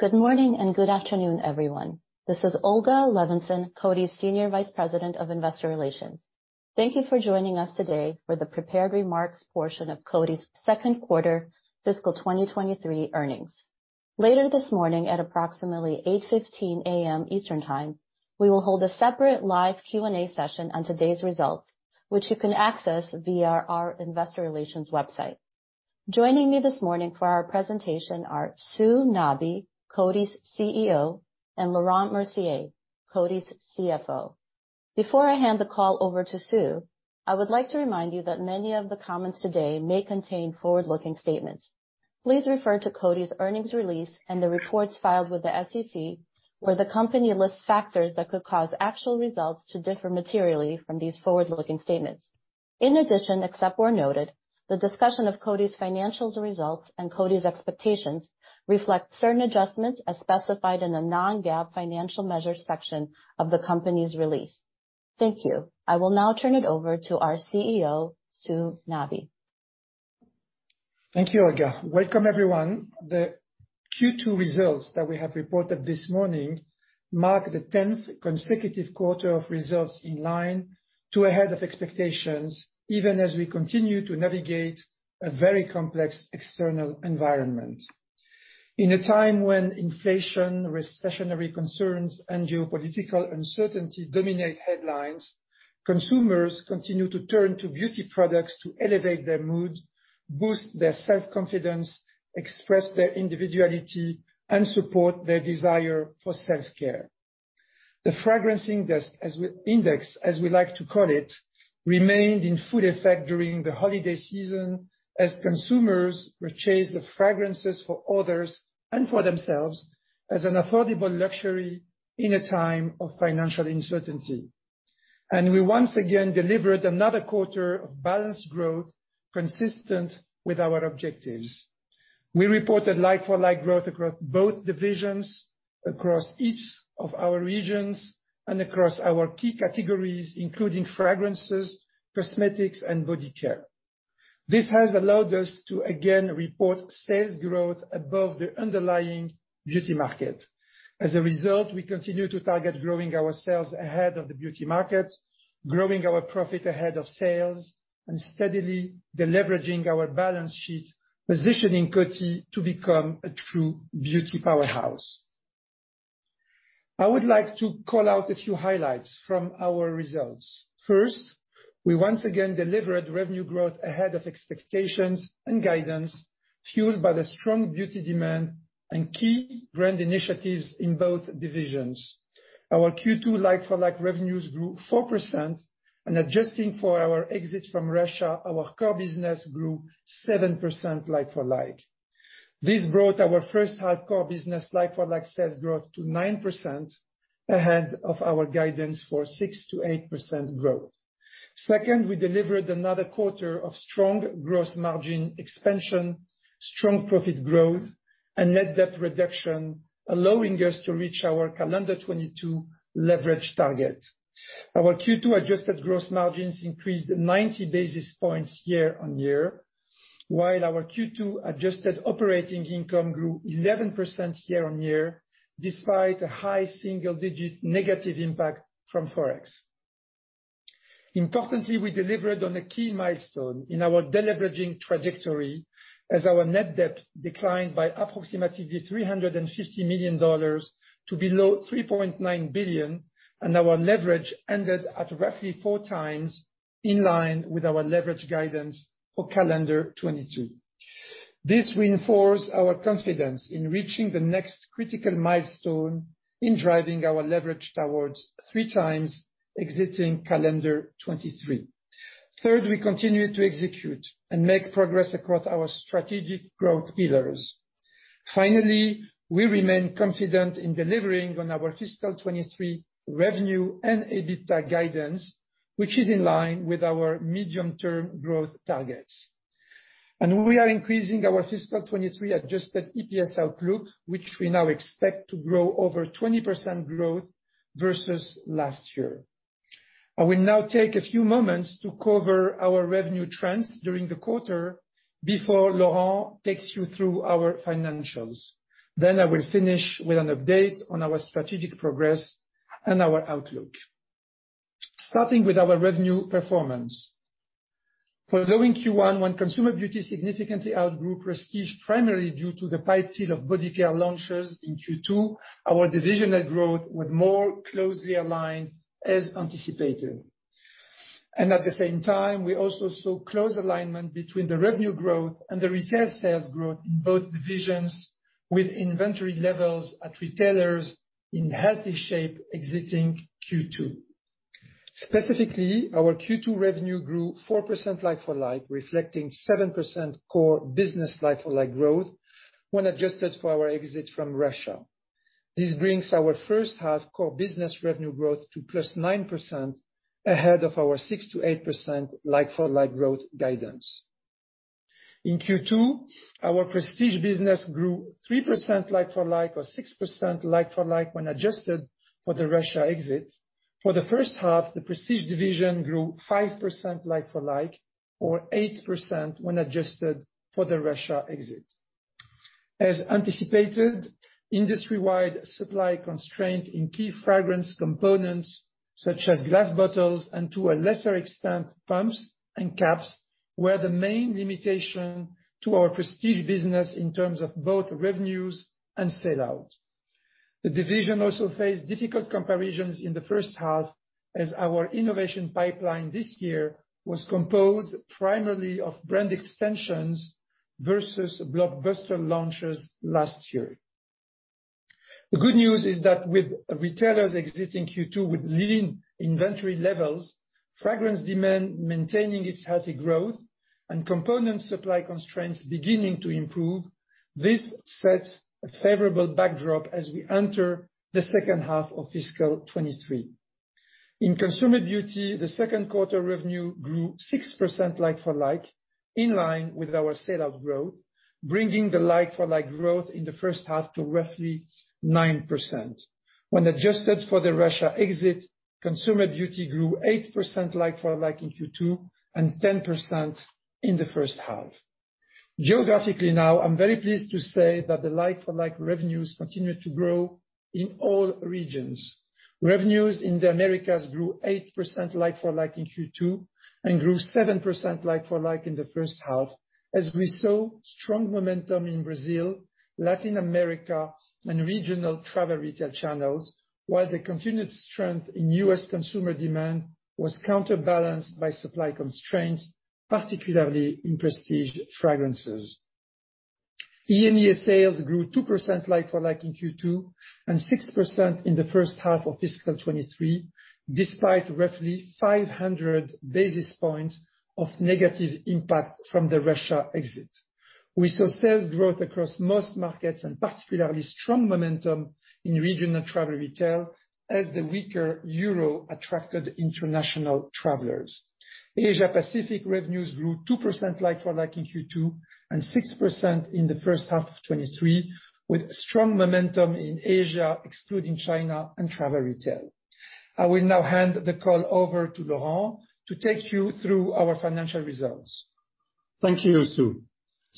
Good morning and good afternoon, everyone. This is Olga Levinzon, Coty's Senior Vice President of Investor Relations. Thank you for joining us today for the prepared remarks portion of Coty's second quarter fiscal 2023 earnings. Later this morning, at approximately 8:15 A.M. Eastern Time, we will hold a separate live Q&A session on today's results, which you can access via our investor relations website. Joining me this morning for our presentation are Sue Nabi, Coty's CEO, and Laurent Mercier, Coty's CFO. Before I hand the call over to Sue, I would like to remind you that many of the comments today may contain forward-looking statements. Please refer to Coty's earnings release and the reports filed with the SEC, where the company lists factors that could cause actual results to differ materially from these forward-looking statements. In addition, except where noted, the discussion of Coty's financials results and Coty's expectations reflect certain adjustments as specified in the non-GAAP financial measures section of the company's release. Thank you. I will now turn it over to our CEO, Sue Nabi. Thank you, Olga. Welcome, everyone. The Q2 results that we have reported this morning mark the tenth consecutive quarter of results in line to ahead of expectations, even as we continue to navigate a very complex external environment. In a time when inflation, recessionary concerns, and geopolitical uncertainty dominate headlines, consumers continue to turn to beauty products to elevate their mood, boost their self-confidence, express their individuality, and support their desire for self-care. The fragrance index, as we like to call it, remained in full effect during the holiday season as consumers purchased the fragrances for others and for themselves as an affordable luxury in a time of financial uncertainty. We once again delivered another quarter of balanced growth consistent with our objectives. We reported like-for-like growth across both divisions, across each of our regions, and across our key categories, including fragrances, cosmetics, and body care. This has allowed us to again report sales growth above the underlying beauty market. As a result, we continue to target growing our sales ahead of the beauty market, growing our profit ahead of sales, and steadily deleveraging our balance sheet, positioning Coty to become a true beauty powerhouse. I would like to call out a few highlights from our results. First, we once again delivered revenue growth ahead of expectations and guidance, fueled by the strong beauty demand and key brand initiatives in both divisions. Our Q2 like-for-like revenues grew 4%, and adjusting for our exit from Russia, our core business grew 7% like-for-like. This brought our first half core business like-for-like sales growth to 9%, ahead of our guidance for 6%-8% growth. Second, we delivered another quarter of strong gross margin expansion, strong profit growth, and net debt reduction, allowing us to reach our calendar 2022 leverage target. Our Q2 adjusted gross margins increased 90 basis points year-on-year, while our Q2 adjusted operating income grew 11% year-on-year, despite a high single-digit negative impact from Forex. Importantly, we delivered on a key milestone in our deleveraging trajectory as our net debt declined by approximately $350 million to below $3.9 billion, and our leverage ended at roughly 4x in line with our leverage guidance for calendar 2022. This reinforce our confidence in reaching the next critical milestone in driving our leverage towards 3x exiting calendar 2023. Third, we continue to execute and make progress across our strategic growth pillars. Finally, we remain confident in delivering on our fiscal 2023 revenue and EBITDA guidance, which is in line with our medium-term growth targets. We are increasing our fiscal 2023 adjusted EPS outlook, which we now expect to grow over 20% growth versus last year. I will now take a few moments to cover our revenue trends during the quarter before Laurent takes you through our financials. I will finish with an update on our strategic progress and our outlook. Starting with our revenue performance. Following Q1, when consumer beauty significantly outgrew prestige, primarily due to the pipe fill of body care launches in Q2, our divisional growth was more closely aligned as anticipated. At the same time, we also saw close alignment between the revenue growth and the retail sales growth in both divisions, with inventory levels at retailers in healthy shape exiting Q2. Specifically, our Q2 revenue grew 4% like-for-like, reflecting 7% core business like-for-like growth when adjusted for our exit from Russia. This brings our first half core business revenue growth to +9%, ahead of our 6%-8% like-for-like growth guidance. In Q2, our prestige business grew 3% like-for-like, or 6% like-for-like when adjusted for the Russia exit. For the first half, the prestige division grew 5% like-for-like, or 8% when adjusted for the Russia exit. As anticipated, industry-wide supply constraint in key fragrance components, such as glass bottles, and to a lesser extent, pumps and caps, were the main limitation to our prestige business in terms of both revenues and sell out. The division also faced difficult comparisons in the 1st half, as our innovation pipeline this year was composed primarily of brand extensions versus blockbuster launches last year. The good news is that with retailers exiting Q2 with lean inventory levels, fragrance demand maintaining its healthy growth, and component supply constraints beginning to improve, this sets a favorable backdrop as we enter the second half of fiscal 2023. In consumer beauty, the second quarter revenue grew 6% like-for-like, in line with our sellout growth, bringing the like-for-like growth in the first half to roughly 9%. When adjusted for the Russia exit, consumer beauty grew 8% like-for-like in Q2, and 10% in the first half. Geographically now, I'm very pleased to say that the like-for-like revenues continued to grow in all regions. Revenues in the Americas grew 8% like-for-like in Q2, and grew 7% like-for-like in the first half, as we saw strong momentum in Brazil, Latin America, and regional travel retail channels, while the continued strength in U.S. consumer demand was counterbalanced by supply constraints, particularly in prestige fragrances. EMEIA sales grew 2% like-for-like in Q2, and 6% in the first half of fiscal 2023, despite roughly 500 basis points of negative impact from the Russia exit. We saw sales growth across most markets, and particularly strong momentum in regional travel retail as the weaker Euro attracted international travelers. Asia Pacific revenues grew 2% like-for-like in Q2, and 6% in the first half of 2023, with strong momentum in Asia, excluding China and travel retail. I will now hand the call over to Laurent to take you through our financial results. Thank you, Sue.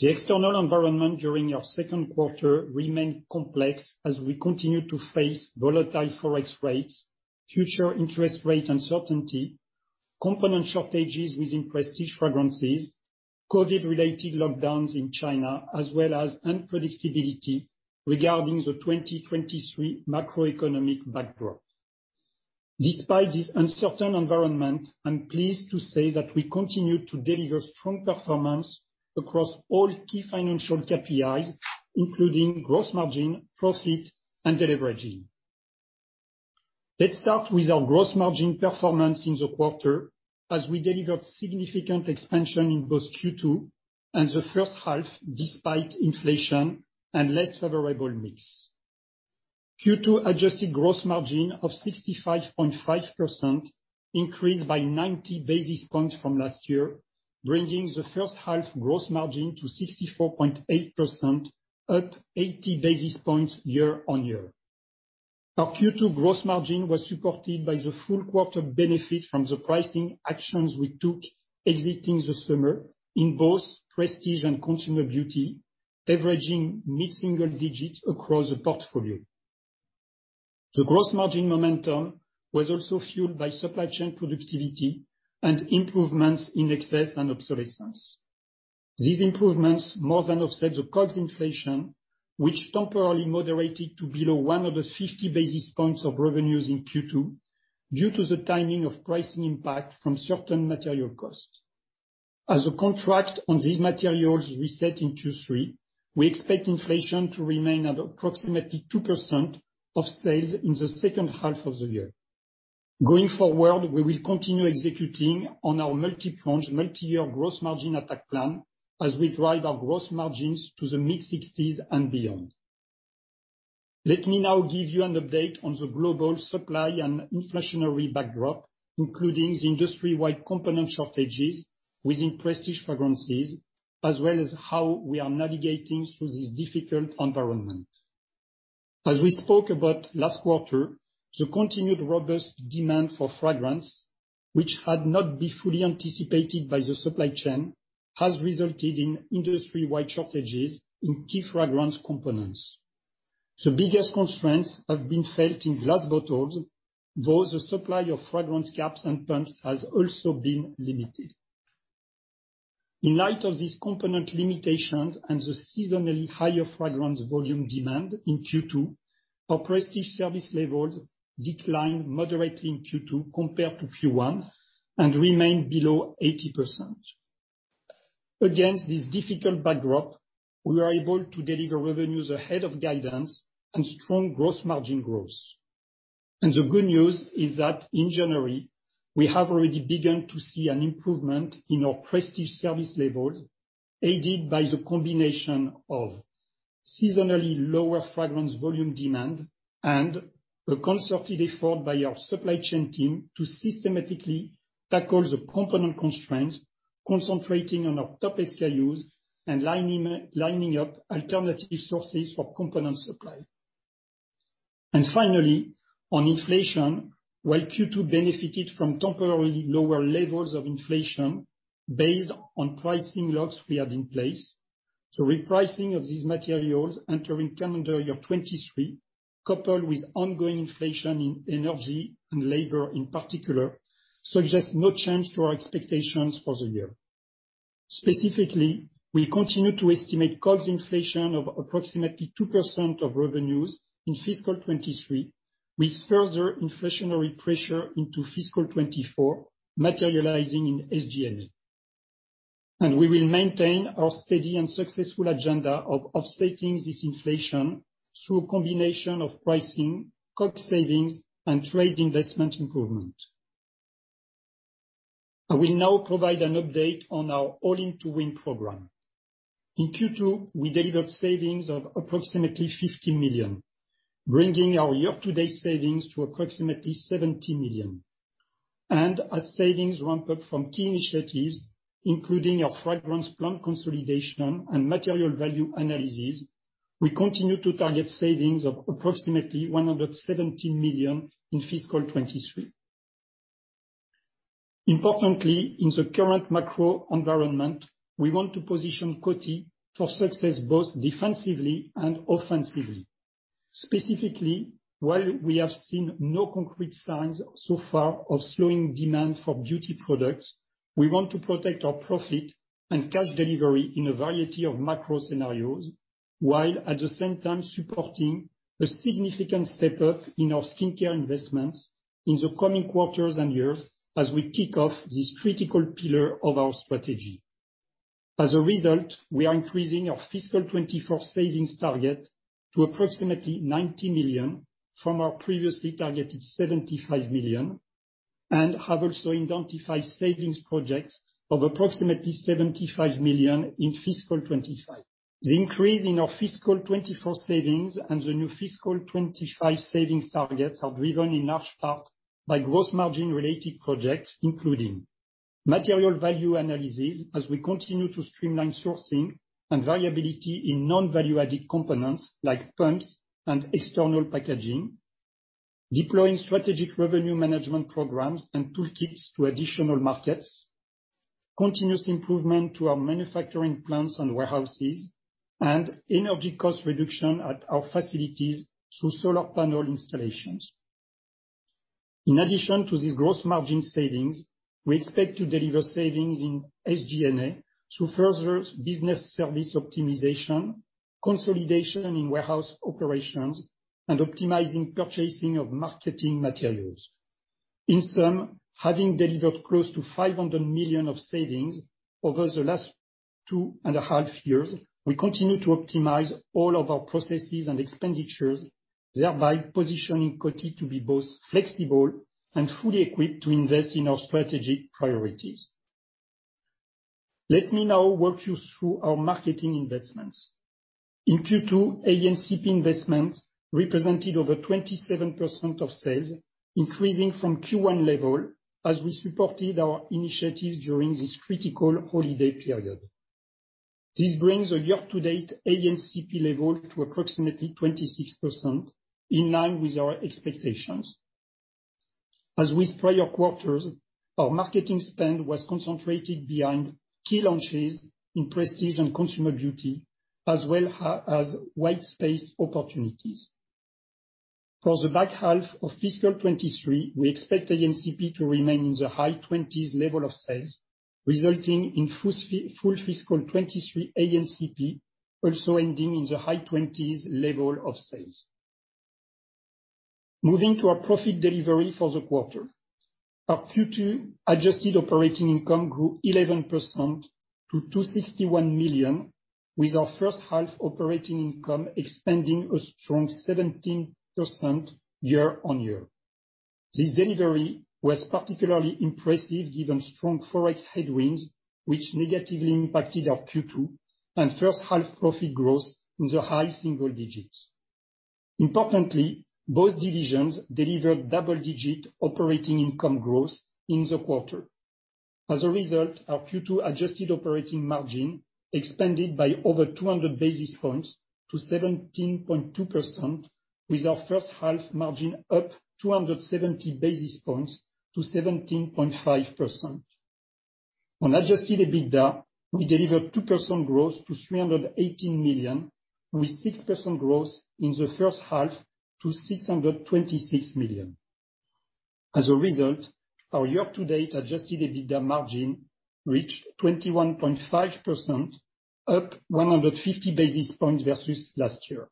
The external environment during our second quarter remained complex as we continue to face volatile Forex rates, future interest rate uncertainty, component shortages within prestige fragrances, COVID-related lockdowns in China, as well as unpredictability regarding the 2023 macroeconomic backdrop. Despite this uncertain environment, I'm pleased to say that we continue to deliver strong performance across all key financial KPIs, including gross margin, profit, and deleveraging. Let's start with our gross margin performance in the quarter, as we delivered significant expansion in both Q2 and the first half despite inflation and less favorable mix. Q2 adjusted gross margin of 65.5% increased by 90 basis points from last year, bringing the first half gross margin to 64.8%, up 80 basis points year-over-year. Our Q2 gross margin was supported by the full quarter benefit from the pricing actions we took exiting the summer in both prestige and consumer beauty, averaging mid-single digits across the portfolio. The gross margin momentum was also fueled by supply chain productivity and improvements in excess and obsolescence. These improvements more than offset the cost inflation, which temporarily moderated to below one of the fifty basis points of revenues in Q2 due to the timing of pricing impact from certain material costs. As the contract on these materials reset in Q3, we expect inflation to remain at approximately 2% of sales in the second half of the year. Going forward, we will continue executing on our multi-pronged, multi-year gross margin attack plan as we drive our gross margins to the mid-sixties and beyond. Let me now give you an update on the global supply and inflationary backdrop, including the industry-wide component shortages within prestige fragrances, as well as how we are navigating through this difficult environment. As we spoke about last quarter, the continued robust demand for fragrance, which had not been fully anticipated by the supply chain, has resulted in industry-wide shortages in key fragrance components. The biggest constraints have been felt in glass bottles, though the supply of fragrance caps and pumps has also been limited. In light of these component limitations and the seasonally higher fragrance volume demand in Q2, our prestige service levels declined moderately in Q2 compared to Q1 and remained below 80%. Against this difficult backdrop, we were able to deliver revenues ahead of guidance and strong gross margin growth. The good news is that in January, we have already begun to see an improvement in our prestige service levels, aided by the combination of seasonally lower fragrance volume demand and a concerted effort by our supply chain team to systematically tackle the component constraints, concentrating on our top SKUs and lining up alternative sources for component supply. Finally, on inflation, while Q2 benefited from temporarily lower levels of inflation based on pricing locks we had in place, the repricing of these materials entering calendar year 2023, coupled with ongoing inflation in energy and labor in particular, suggests no change to our expectations for the year. Specifically, we continue to estimate COGS inflation of approximately 2% of revenues in fiscal 2023, with further inflationary pressure into fiscal 2024 materializing in SG&A. We will maintain our steady and successful agenda of offsetting this inflation through a combination of pricing, COGS savings, and trade investment improvement. I will now provide an update on our All In to Win program. In Q2, we delivered savings of approximately $50 million, bringing our year-to-date savings to approximately $70 million. As savings ramp up from key initiatives, including our fragrance plant consolidation and material value analysis, we continue to target savings of approximately $170 million in fiscal 2023. Importantly, in the current macro environment, we want to position Coty for success both defensively and offensively. Specifically, while we have seen no concrete signs so far of slowing demand for beauty products, we want to protect our profit and cash delivery in a variety of macro scenarios, while at the same time supporting a significant step up in our skincare investments in the coming quarters and years as we kick off this critical pillar of our strategy. We are increasing our fiscal 2024 savings target to approximately $90 million from our previously targeted $75 million, and have also identified savings projects of approximately $75 million in fiscal 2025. The increase in our fiscal 2024 savings and the new fiscal 2025 savings targets are driven in large part by gross margin-related projects, including material value analysis as we continue to streamline sourcing and variability in non-value-added components like pumps and external packaging, deploying strategic revenue management programs and toolkits to additional markets, continuous improvement to our manufacturing plants and warehouses, and energy cost reduction at our facilities through solar panel installations. In addition to these gross margin savings, we expect to deliver savings in SG&A through further business service optimization, consolidation in warehouse operations, and optimizing purchasing of marketing materials. Having delivered close to $500 million of savings over the last two and a half years, we continue to optimize all of our processes and expenditures, thereby positioning Coty to be both flexible and fully equipped to invest in our strategic priorities. Let me now walk you through our marketing investments. In Q2, ANCP investments represented over 27% of sales, increasing from Q1 level as we supported our initiatives during this critical holiday period. This brings the year-to-date ANCP level to approximately 26%, in line with our expectations. As with prior quarters, our marketing spend was concentrated behind key launches in prestige and consumer beauty, as well as white space opportunities. For the back half of fiscal 2023, we expect ANCP to remain in the high twenties level of sales, resulting in full fiscal 2023 ANCP also ending in the high twenties level of sales. Moving to our profit delivery for the quarter. Our Q2 adjusted operating income grew 11% to $261 million, with our first half operating income expanding a strong 17% year-on-year. This delivery was particularly impressive given strong Forex headwinds which negatively impacted our Q2 and first half profit growth in the high single digits. Importantly, both divisions delivered double-digit operating income growth in the quarter. Our Q2 adjusted operating margin expanded by over 200 basis points to 17.2% with our first half margin up 270 basis points to 17.5%. On Adjusted EBITDA, we delivered 2% growth to $318 million, with 6% growth in the first half to $626 million. Our year-to-date Adjusted EBITDA margin reached 21.5%, up 150 basis points versus last year.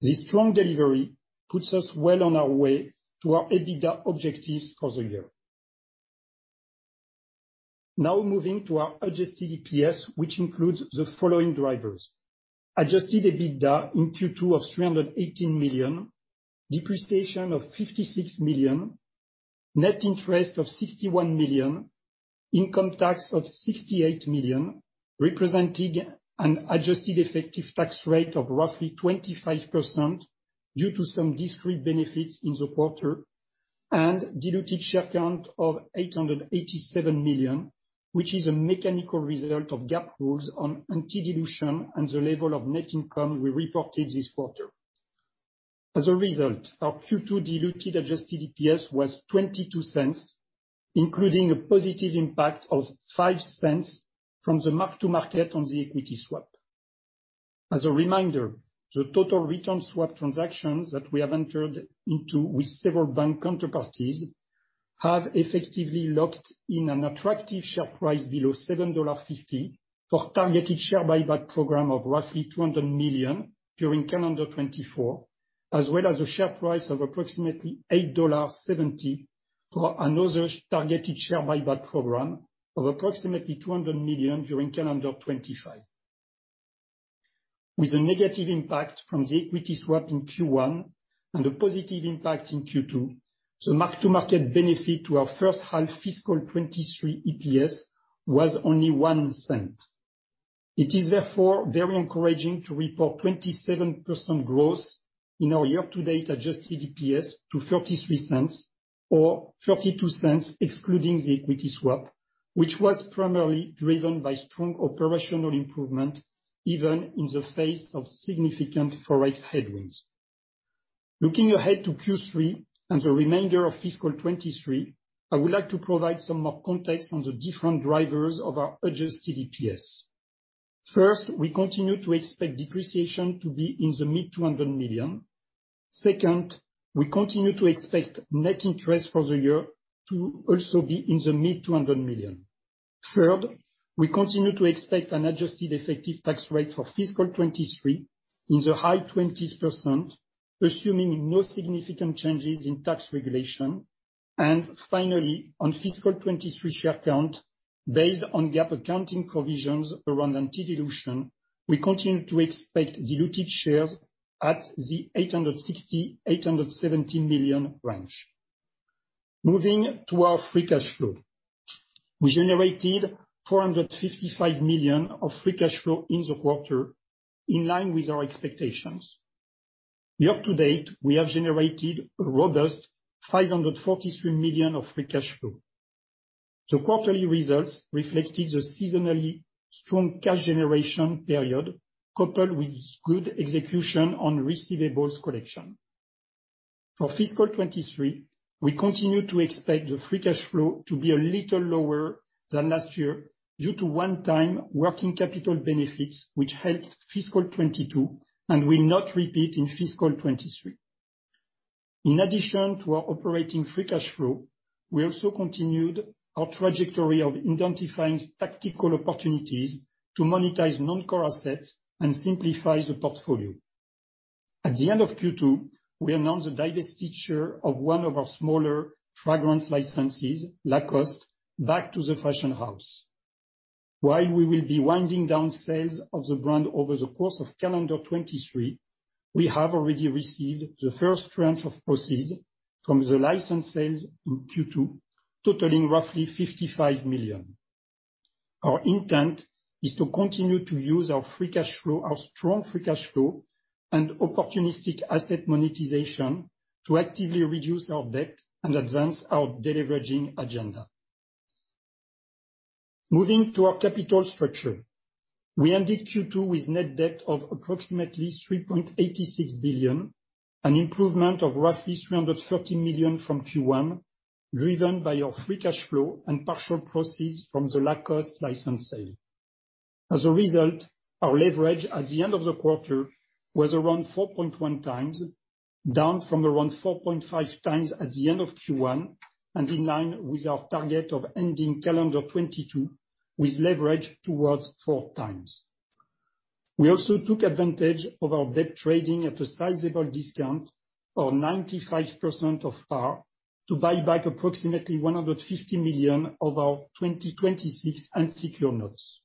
This strong delivery puts us well on our way to our EBITDA objectives for the year. Now moving to our adjusted EPS, which includes the following drivers: Adjusted EBITDA in Q2 of $318 million, depreciation of $56 million, net interest of $61 million, income tax of $68 million, representing an adjusted effective tax rate of roughly 25% due to some discrete benefits in the quarter. Diluted share count of 887 million, which is a mechanical result of GAAP rules on anti-dilution and the level of net income we reported this quarter. As a result, our Q2 diluted adjusted EPS was $0.22, including a positive impact of $0.05 from the mark-to-market on the equity swap. As a reminder, the total return swap transactions that we have entered into with several bank counterparties have effectively locked in an attractive share price below $7.50 for targeted share buyback program of roughly $200 million during calendar 2024, as well as a share price of approximately $8.70 for another targeted share buyback program of approximately $200 million during calendar 2025. With a negative impact from the equity swap in Q1 and a positive impact in Q2, the mark-to-market benefit to our first half fiscal 2023 EPS was only $0.01. It is therefore very encouraging to report 27% growth in our year-to-date adjusted EPS to $0.33 or $0.32 excluding the equity swap, which was primarily driven by strong operational improvement, even in the face of significant Forex headwinds. Looking ahead to Q3 and the remainder of fiscal 2023, I would like to provide some more context on the different drivers of our adjusted EPS. First, we continue to expect depreciation to be in the mid $200 million. Second, we continue to expect net interest for the year to also be in the mid $200 million. Third, we continue to expect an adjusted effective tax rate for fiscal 2023 in the high 20s%, assuming no significant changes in tax regulation. Finally, on fiscal 2023 share count, based on GAAP accounting provisions around anti-dilution, we continue to expect diluted shares at the 860 million-870 million range. Moving to our free cash flow. We generated $455 million of free cash flow in the quarter, in line with our expectations. Year to date, we have generated a robust $543 million of free cash flow. The quarterly results reflected the seasonally strong cash generation period, coupled with good execution on receivables collection. For fiscal 2023, we continue to expect the free cash flow to be a little lower than last year due to one-time working capital benefits, which helped fiscal 2022 and will not repeat in fiscal 2023. In addition to our operating free cash flow, we also continued our trajectory of identifying tactical opportunities to monetize non-core assets and simplify the portfolio. At the end of Q2, we announced the divestiture of one of our smaller fragrance licenses, Lacoste, back to the fashion house. While we will be winding down sales of the brand over the course of calendar 2023, we have already received the first tranche of proceeds from the license sales in Q2, totaling roughly $55 million. Our intent is to continue to use our free cash flow, our strong free cash flow and opportunistic asset monetization to actively reduce our debt and advance our deleveraging agenda. Moving to our capital structure. We ended Q2 with net debt of approximately $3.86 billion, an improvement of roughly $330 million from Q1, driven by our free cash flow and partial proceeds from the Lacoste license sale. As a result, our leverage at the end of the quarter was around 4.1x, down from around 4.5x at the end of Q1, and in line with our target of ending calendar 2022 with leverage towards 4x. We also took advantage of our debt trading at a sizable discount for 95% of par to buy back approximately $150 million of our 2026 unsecured notes.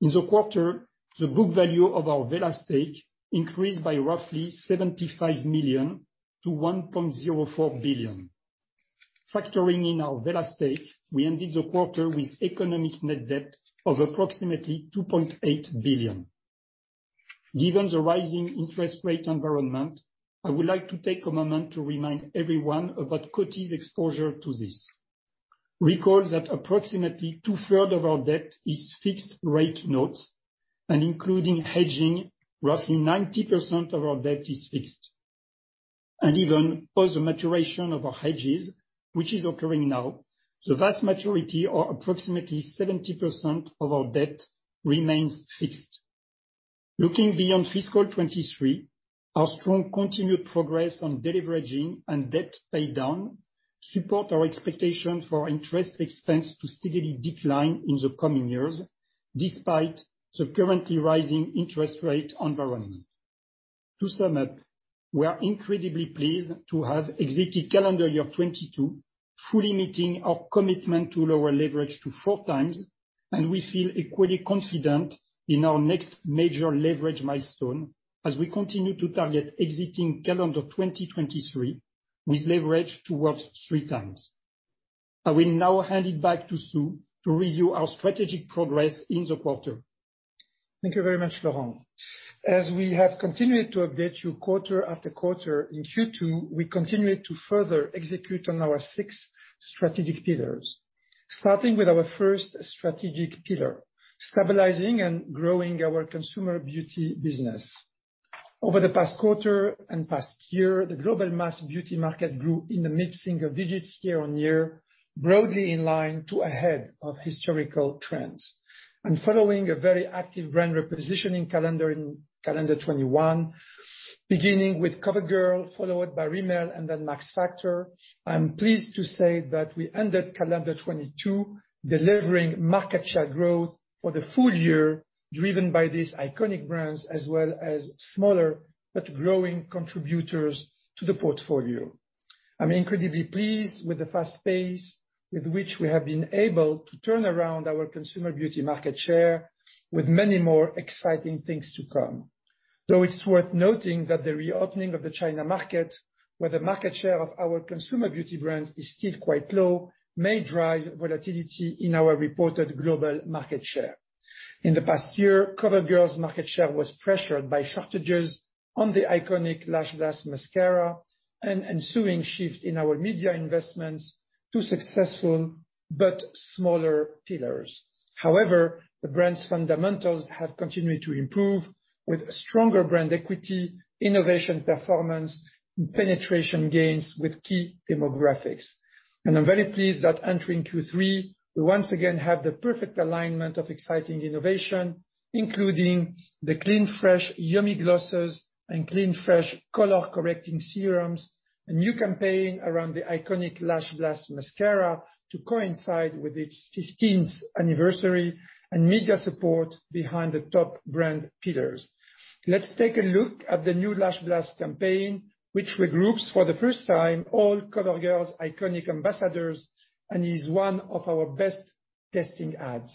In the quarter, the book value of our Wella stake increased by roughly $75 million-$1.04 billion. Factoring in our Wella stake, we ended the quarter with economic net debt of approximately $2.8 billion. Given the rising interest rate environment, I would like to take a moment to remind everyone about Coty's exposure to this. Recall that approximately two-third of our debt is fixed rate notes, including hedging, roughly 90% of our debt is fixed. Even per the maturation of our hedges, which is occurring now, the vast majority, or approximately 70% of our debt, remains fixed. Looking beyond fiscal 2023, our strong continued progress on deleveraging and debt paydown support our expectation for interest expense to steadily decline in the coming years, despite the currently rising interest rate environment. To sum up, we are incredibly pleased to have exited calendar year 2022 fully meeting our commitment to lower leverage to 4x,, and we feel equally confident in our next major leverage milestone as we continue to target exiting calendar 2023 with leverage towards 3x. I will now hand it back to Sue to review our strategic progress in the quarter. Thank you very much, Laurent. As we have continued to update you quarter after quarter, in Q2, we continued to further execute on our six strategic pillars. Starting with our first strategic pillar, stabilizing and growing our consumer beauty business. Over the past quarter and past year, the global mass beauty market grew in the mid single digits year-on-year, broadly in line to ahead of historical trends. Following a very active brand repositioning calendar in calendar 2021, beginning with COVERGIRL, followed by Rimmel and then Max Factor, I'm pleased to say that we ended calendar 2022 delivering market share growth for the full year driven by these iconic brands, as well as smaller but growing contributors to the portfolio. I'm incredibly pleased with the fast pace with which we have been able to turn around our consumer beauty market share with many more exciting things to come. It's worth noting that the reopening of the China market, where the market share of our consumer beauty brands is still quite low, may drive volatility in our reported global market share. In the past year, COVERGIRL's market share was pressured by shortages on the iconic LashBlast mascara and ensuing shift in our media investments to successful but smaller pillars. However, the brand's fundamentals have continued to improve with stronger brand equity, innovation performance, penetration gains with key demographics. I'm very pleased that entering Q3 we once again have the perfect alignment of exciting innovation, including the Clean Fresh Yummy Glosses and Clean Fresh color-correcting serums, a new campaign around the iconic LashBlast mascara to coincide with its fifteenth anniversary, and media support behind the top brand pillars. Let's take a look at the new LashBlast campaign, which regroups for the first time all COVERGIRL's iconic ambassadors and is one of our best-testing ads.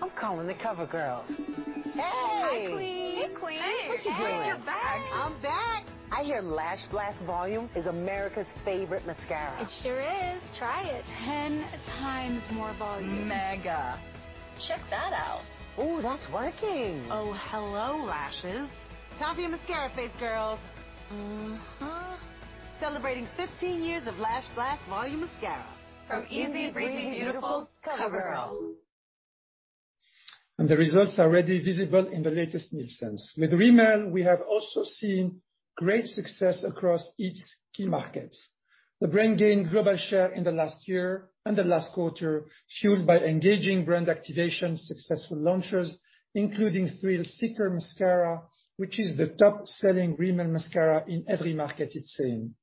I'm calling the COVERGIRLs. Hey. Hi, Queen. Hey, Queen. Hey. What you doing? You're back. I'm back. I hear LashBlast Volume is America's favorite mascara. It sure is. Try it. 10x more volume. Mega. Check that out. Ooh, that's working. Oh, hello lashes. Time for your mascara face, girls. Mm-hmm. Celebrating 15 years of LashBlast Volume mascara. From easy, breezy, beautiful COVERGIRL. The results are already visible in the latest Nielsen. With Rimmel, we have also seen great success across each key market. The brand gained global share in the last year and the last quarter, fueled by engaging brand activation successful launches, including Thrill Seeker mascara, which is the top-selling Rimmel mascara in every market it's in.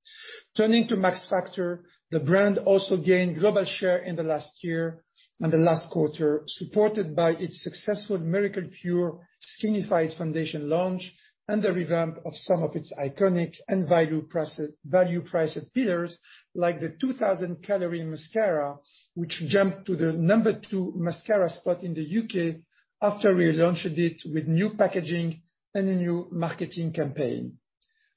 Turning to Max Factor, the brand also gained global share in the last year and the last quarter, supported by its successful Miracle Pure Skin-Improving Foundation launch and the revamp of some of its iconic and value price, value priced pillars like the 2000 Calorie mascara, which jumped to the number two mascara spot in the U.K. after we relaunched it with new packaging and a new marketing campaign.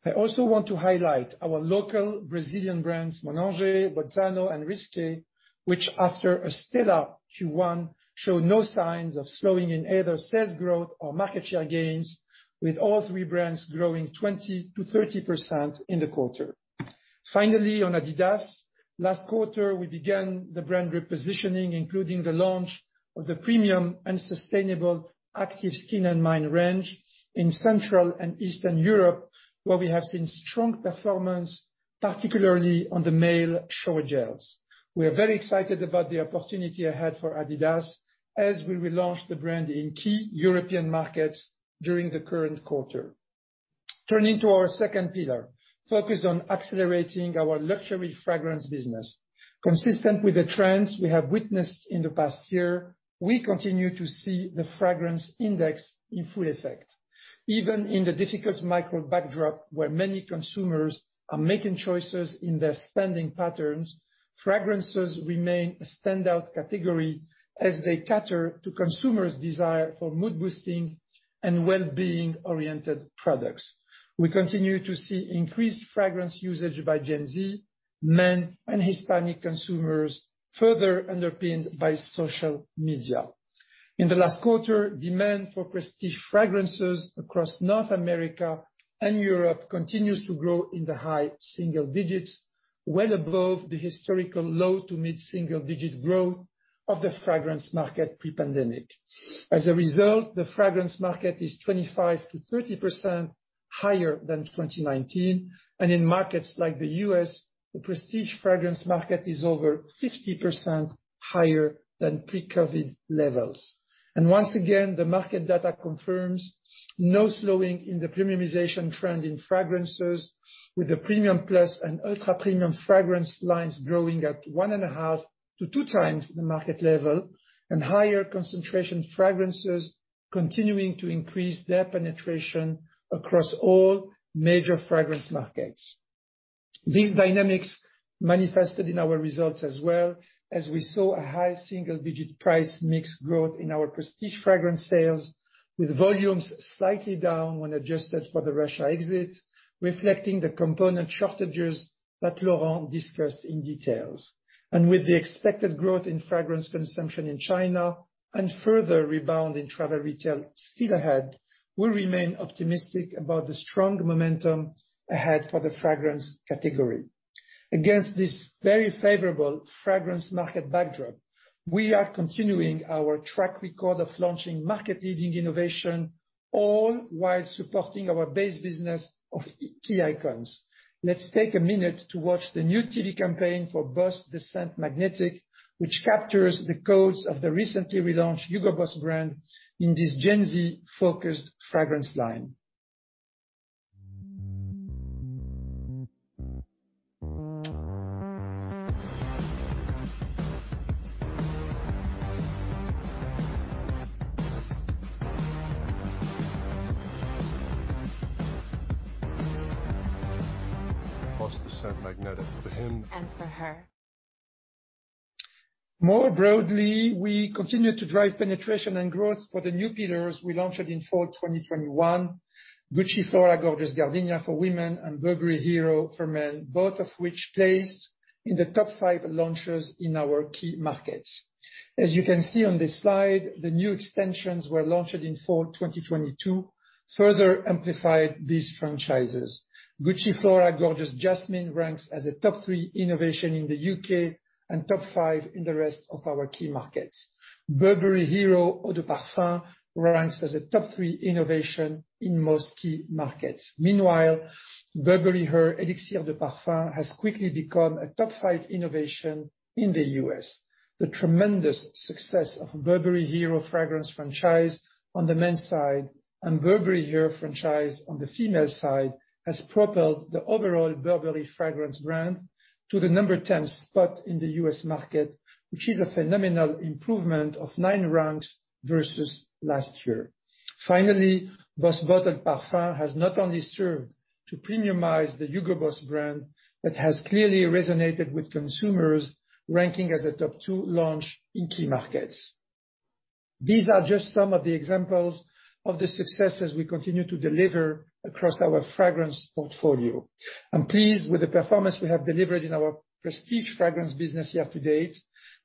I also want to highlight our local Brazilian brands, Monange, Bozzano and Risqué, which after a stellar Q1, show no signs of slowing in either sales growth or market share gains, with all three brands growing 20%-30% in the quarter. Finally, on adidas, last quarter we began the brand repositioning, including the launch of the premium and sustainable Active Skin & Mind range in Central and Eastern Europe, where we have seen strong performance, particularly on the male shower gels. We are very excited about the opportunity ahead for adidas as we relaunch the brand in key European markets during the current quarter. Turning to our second pillar, focused on accelerating our luxury fragrance business. Consistent with the trends we have witnessed in the past year, we continue to see the fragrance index in full effect. Even in the difficult macro backdrop where many consumers are making choices in their spending patterns, fragrances remain a standout category as they cater to consumers' desire for mood-boosting and well-being-oriented products. We continue to see increased fragrance usage by Gen Z, men and Hispanic consumers, further underpinned by social media. In the last quarter, demand for prestige fragrances across North America and Europe continues to grow in the high single digits, well above the historical low-to-mid single-digit growth of the fragrance market pre-pandemic. As a result, the fragrance market is 25%-30% higher than 2019. In markets like the U.S., the prestige fragrance market is over 50% higher than pre-COVID levels. Once again, the market data confirms no slowing in the premiumization trend in fragrances with the premium plus and ultra-premium fragrance lines growing at 1.5x-2x the market level and higher concentration fragrances continuing to increase their penetration across all major fragrance markets. These dynamics manifested in our results as well, as we saw a high single-digit price mix growth in our prestige fragrance sales, with volumes slightly down when adjusted for the Russia exit, reflecting the component shortages that Laurent discussed in details. With the expected growth in fragrance consumption in China and further rebound in travel retail still ahead, we remain optimistic about the strong momentum ahead for the fragrance category. Against this very favorable fragrance market backdrop, we are continuing our track record of launching market-leading innovation, all while supporting our base business of key icons. Let's take a minute to watch the new TV campaign for BOSS The Scent Magnetic, which captures the codes of the recently relaunched Hugo Boss brand in this Gen Z-focused fragrance line. BOSS The Scent Magnetic. For him. For her. More broadly, we continue to drive penetration and growth for the new pillars we launched in fall 2021, Gucci Flora Gorgeous Gardenia for women and Burberry Hero for men, both of which placed in the top five launches in our key markets. As you can see on this slide, the new extensions were launched in fall 2022, further amplified these franchises. Gucci Flora Gorgeous Jasmine ranks as a top three innovation in the U.K. and top five in the rest of our key markets. Burberry Hero Eau de Parfum ranks as a top three innovation in most key markets. Meanwhile, Burberry Her Elixir de Parfum has quickly become a top five innovation in the U.S. The tremendous success of Burberry Hero fragrance franchise on the men's side and Burberry Her franchise on the female side has propelled the overall Burberry fragrance brand to the number 10 spot in the U.S. market, which is a phenomenal improvement of nine ranks versus last year. BOSS Bottled Parfum has not only served to premiumize the Hugo Boss brand, but has clearly resonated with consumers, ranking as a top two launch in key markets. These are just some of the examples of the successes we continue to deliver across our fragrance portfolio. I'm pleased with the performance we have delivered in our prestige fragrance business year-to-date,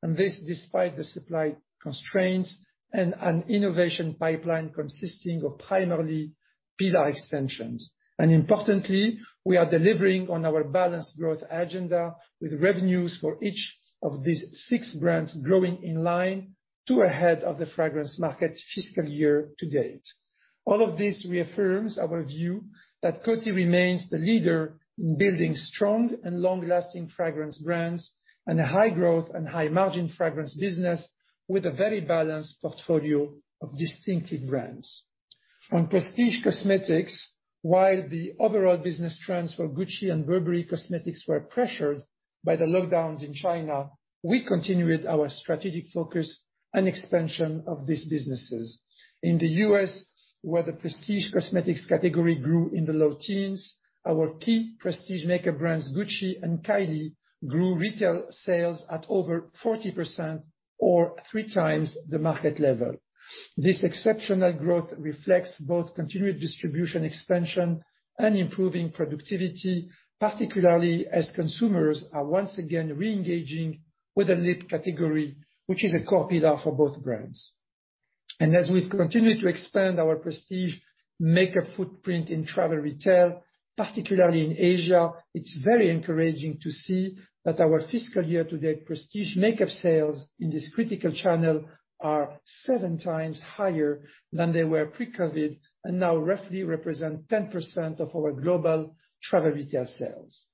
and this despite the supply constraints and an innovation pipeline consisting of primarily pillar extensions. Importantly, we are delivering on our balanced growth agenda with revenues for each of these six brands growing in line to ahead of the fragrance market fiscal year to date. All of this reaffirms our view that Coty remains the leader in building strong and long-lasting fragrance brands and a high-growth and high-margin fragrance business with a very balanced portfolio of distinctive brands. On prestige cosmetics, while the overall business trends for Gucci and Burberry cosmetics were pressured by the lockdowns in China, we continued our strategic focus and expansion of these businesses. In the U.S., where the prestige cosmetics category grew in the low teens, our key prestige makeup brands, Gucci and Kylie, grew retail sales at over 40% or 3x the market level. This exceptional growth reflects both continued distribution expansion and improving productivity, particularly as consumers are once again re-engaging with the lip category, which is a core pillar for both brands. As we've continued to expand our prestige makeup footprint in travel retail, particularly in Asia, it's very encouraging to see that our fiscal year to date prestige makeup sales in this critical channel are 7x higher than they were pre-COVID and now roughly represent 10% of our global travel retail sales.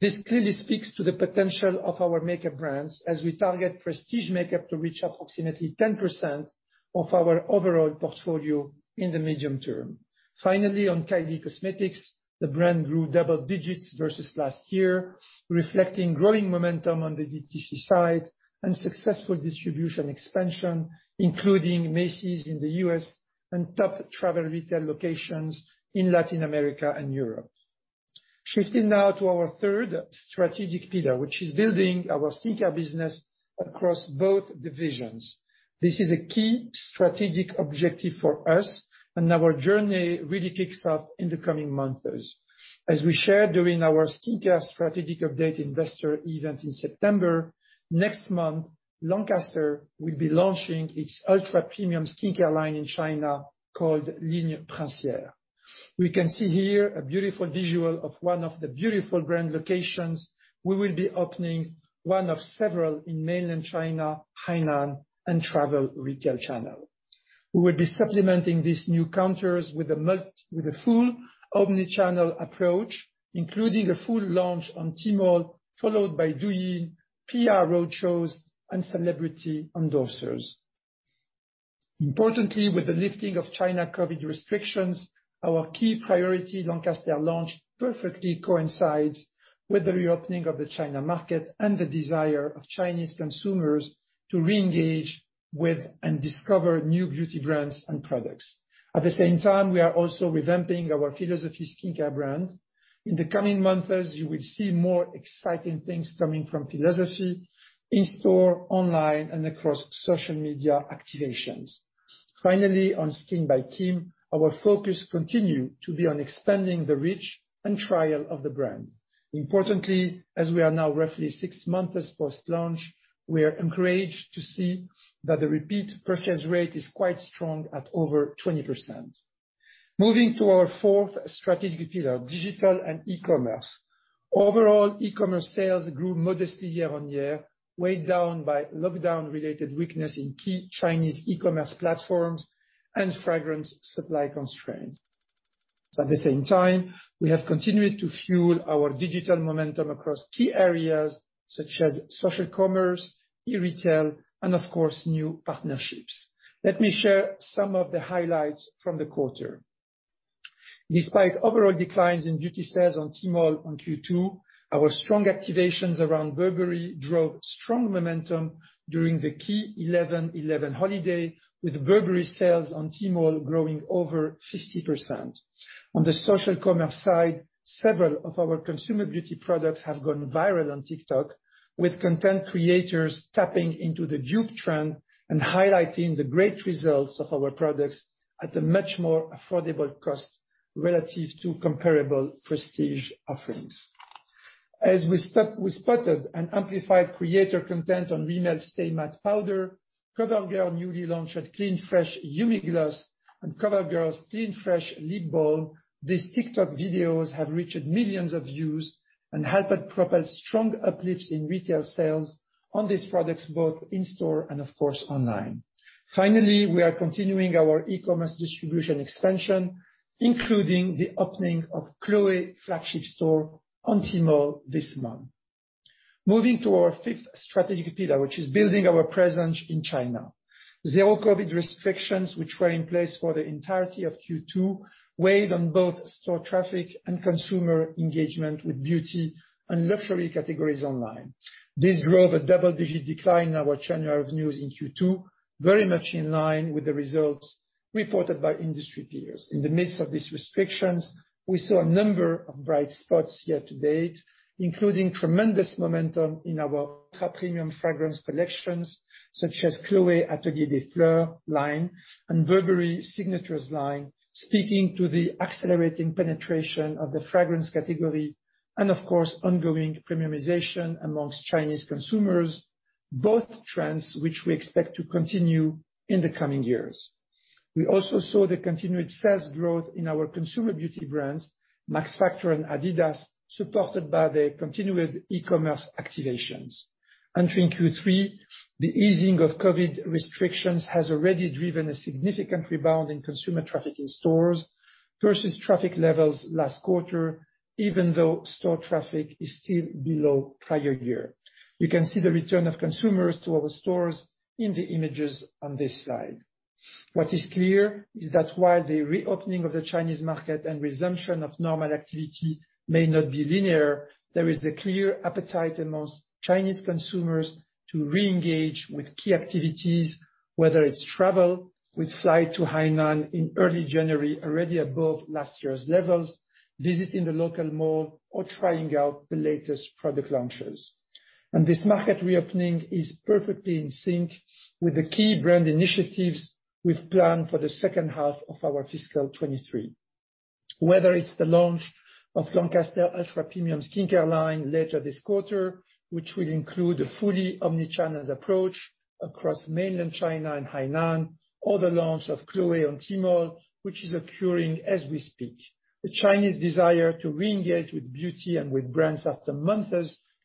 This clearly speaks to the potential of our makeup brands as we target prestige makeup to reach approximately 10% of our overall portfolio in the medium term. On Kylie Cosmetics, the brand grew double digits versus last year, reflecting growing momentum on the DTC side and successful distribution expansion, including Macy's in the U.S. and top travel retail locations in Latin America and Europe. Shifting now to our third strategic pillar, which is building our skincare business across both divisions. This is a key strategic objective for us, our journey really kicks off in the coming months. As we shared during our skincare strategic update investor event in September, next month, Lancaster will be launching its ultra-premium skincare line in China called Ligne Précieuse. We can see here a beautiful visual of one of the beautiful brand locations. We will be opening one of several in mainland China, Hainan, and travel retail channel. We will be supplementing these new counters with a full omni-channel approach, including a full launch on Tmall, followed by Douyin, P.R. road shows, and celebrity endorsers. Importantly, with the lifting of China COVID restrictions, our key priority, Lancaster, perfectly coincides with the reopening of the China market and the desire of Chinese consumers to re-engage with and discover new beauty brands and products. At the same time, we are also revamping our philosophy skincare brand. In the coming months, as you will see more exciting things coming from philosophy in store, online, and across social media activations. Finally, on SKKN BY KIM, our focus continue to be on expanding the reach and trial of the brand. Importantly, as we are now roughly 6 months post-launch, we are encouraged to see that the repeat purchase rate is quite strong at over 20%. Moving to our fourth strategic pillar, digital and e-commerce. Overall, e-commerce sales grew modestly year-on-year, weighed down by lockdown related weakness in key Chinese e-commerce platforms and fragrance supply constraints. At the same time, we have continued to fuel our digital momentum across key areas such as social commerce, e-retail, and of course, new partnerships. Let me share some of the highlights from the quarter. Despite overall declines in beauty sales on Tmall on Q2, our strong activations around Burberry drove strong momentum during the key 11/11 holiday, with Burberry sales on Tmall growing over 50%. On the social commerce side, several of our consumer beauty products have gone viral on TikTok, with content creators tapping into the dupe trend and highlighting the great results of our products at a much more affordable cost relative to comparable prestige offerings. As we spotted an amplified creator content on Rimmel Stay Matte Pressed Powder, COVERGIRL newly launched Clean Fresh Yummy Gloss, and COVERGIRL's Clean Fresh Tinted Lip Balm, these TikTok videos have reached millions of views and helped propel strong uplifts in retail sales on these products, both in store and of course online. We are continuing our e-commerce distribution expansion, including the opening of Chloé flagship store on Tmall this month. Moving to our fifth strategic pillar, which is building our presence in China. Zero COVID restrictions which were in place for the entirety of Q2 weighed on both store traffic and consumer engagement with beauty and luxury categories online. This drove a double-digit decline in our China revenues in Q2, very much in line with the results reported by industry peers. In the midst of these restrictions, we saw a number of bright spots year to date, including tremendous momentum in our top premium fragrance collections such as Chloé Atelier des Fleurs line and Burberry Signatures line, speaking to the accelerating penetration of the fragrance category and of course, ongoing premiumization amongst Chinese consumers, both trends which we expect to continue in the coming years. We also saw the continued sales growth in our consumer beauty brands, Max Factor and adidas, supported by the continued e-commerce activations. Entering Q3, the easing of COVID restrictions has already driven a significant rebound in consumer traffic in stores versus traffic levels last quarter, even though store traffic is still below prior year. You can see the return of consumers to our stores in the images on this slide. What is clear is that while the reopening of the Chinese market and resumption of normal activity may not be linear, there is a clear appetite amongst Chinese consumers to reengage with key activities, whether it's travel, with flight to Hainan in early January already above last year's levels, visiting the local mall, or trying out the latest product launches. This market reopening is perfectly in sync with the key brand initiatives we've planned for the second half of our fiscal 2023. Whether it's the launch of Lancaster ultra-premium skincare line later this quarter, which will include a fully omnichannels approach across mainland China and Hainan, or the launch of Chloé on Tmall, which is occurring as we speak. The Chinese desire to reengage with beauty and with brands after months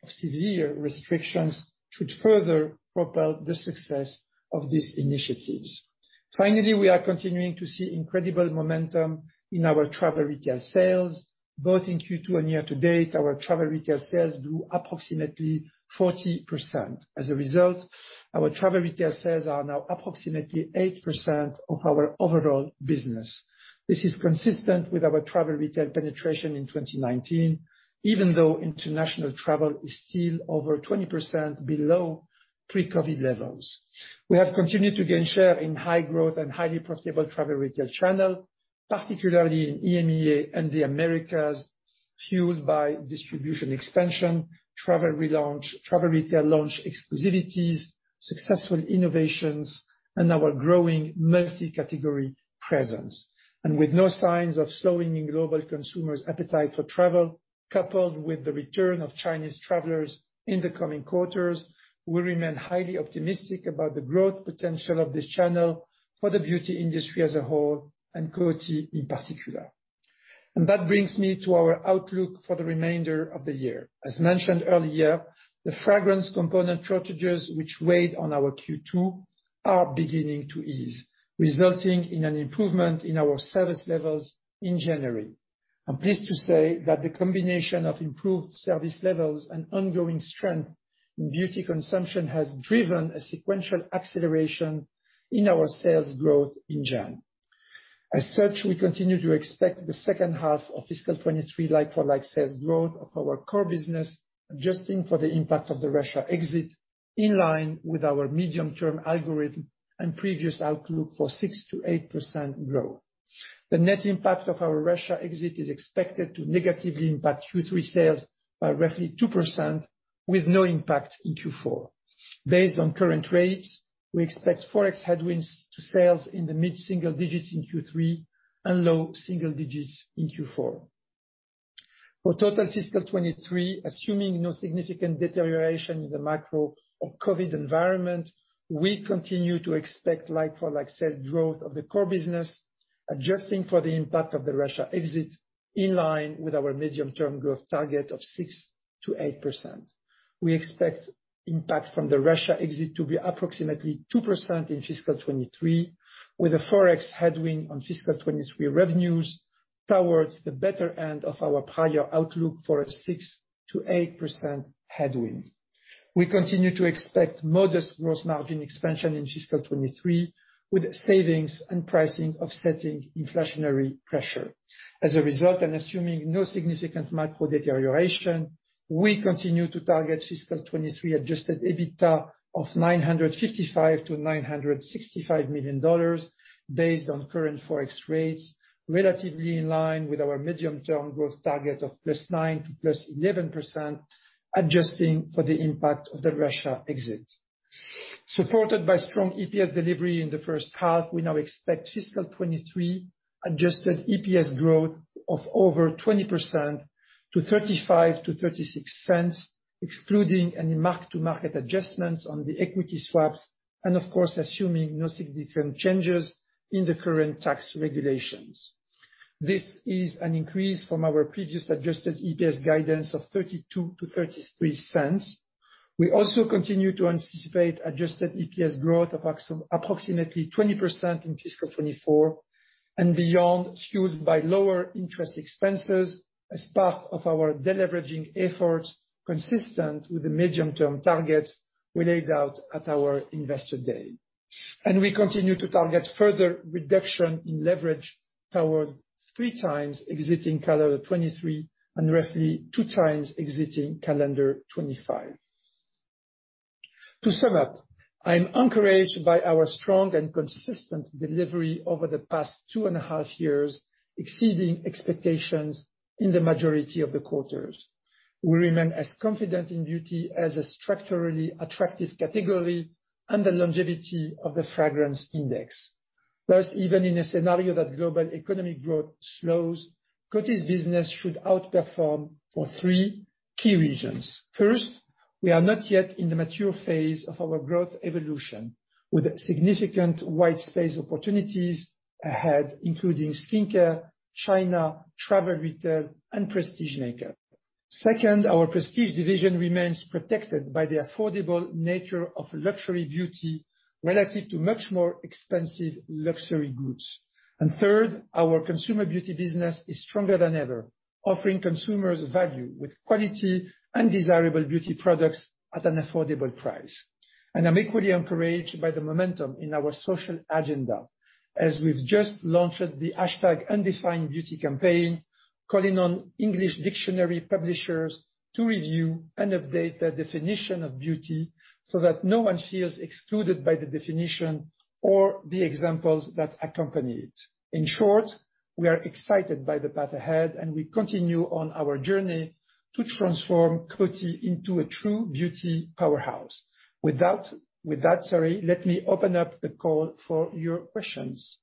of severe restrictions should further propel the success of these initiatives. Finally, we are continuing to see incredible momentum in our travel retail sales. Both in Q2 and year to date, our travel retail sales grew approximately 40%. As a result, our travel retail sales are now approximately 8% of our overall business. This is consistent with our travel retail penetration in 2019, even though international travel is still over 20% below pre-COVID levels. We have continued to gain share in high growth and highly profitable travel retail channel, particularly in EMEA and the Americas, fueled by distribution expansion, travel relaunch, travel retail launch exclusivities, successful innovations, and our growing multi-category presence. With no signs of slowing in global consumers' appetite for travel, coupled with the return of Chinese travelers in the coming quarters, we remain highly optimistic about the growth potential of this channel for the beauty industry as a whole and Coty in particular. That brings me to our outlook for the remainder of the year. As mentioned earlier, the fragrance component shortages which weighed on our Q2 are beginning to ease, resulting in an improvement in our service levels in January. I'm pleased to say that the combination of improved service levels and ongoing strength in beauty consumption has driven a sequential acceleration in our sales growth in Jan. As such, we continue to expect the second half of fiscal 2023 like-for-like sales growth of our core business, adjusting for the impact of the Russia exit, in line with our medium-term algorithm and previous outlook for 6%-8% growth. The net impact of our Russia exit is expected to negatively impact Q3 sales by roughly 2% with no impact in Q4. Based on current rates, we expect Forex headwinds to sales in the mid-single % in Q3 and low single % in Q4. For total fiscal 2023, assuming no significant deterioration in the macro or COVID environment, we continue to expect like-for-like sales growth of the core business, adjusting for the impact of the Russia exit, in line with our medium-term growth target of 6%-8%. We expect impact from the Russia exit to be approximately 2% in fiscal 2023, with a Forex headwind on fiscal 2023 revenues towards the better end of our prior outlook for a 6%-8% headwind. We continue to expect modest gross margin expansion in fiscal 2023, with savings and pricing offsetting inflationary pressure. As a result, assuming no significant macro deterioration, we continue to target fiscal 23 adjusted EBITDA of $955 million-$965 million based on current Forex rates, relatively in line with our medium-term growth target of +9% to +11%, adjusting for the impact of the Russia exit. Supported by strong EPS delivery in the first half, we now expect fiscal 23 adjusted EPS growth of over 20% to $0.35-$0.36, excluding any mark-to-market adjustments on the equity swaps, and of course, assuming no significant changes in the current tax regulations. This is an increase from our previous adjusted EPS guidance of $0.32-$0.33. We also continue to anticipate adjusted EPS growth of approximately 20% in fiscal 2024 and beyond, skewed by lower interest expenses as part of our deleveraging efforts consistent with the medium-term targets we laid out at our investor day. We continue to target further reduction in leverage towards 3 times exiting calendar 2023 and roughly 2 times exiting calendar 2025. To sum up, I'm encouraged by our strong and consistent delivery over the past 2 and a half years, exceeding expectations in the majority of the quarters. We remain as confident in beauty as a structurally attractive category and the longevity of the fragrance index. Even in a scenario that global economic growth slows, Coty's business should outperform for 3 key reasons. First, we are not yet in the mature phase of our growth evolution, with significant white space opportunities ahead, including skincare, China, travel retail, and prestige makeup. Second, our prestige division remains protected by the affordable nature of luxury beauty relative to much more expensive luxury goods. Third, our consumer beauty business is stronger than ever, offering consumers value with quality and desirable beauty products at an affordable price. I'm equally encouraged by the momentum in our social agenda, as we've just launched the hashtag #UndefineBeauty campaign, calling on English dictionary publishers to review and update their definition of beauty so that no one feels excluded by the definition or the examples that accompany it. In short, we are excited by the path ahead, and we continue on our journey to transform Coty into a true beauty powerhouse. With that, sorry, let me open up the call for your questions.